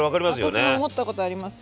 私も思ったことあります。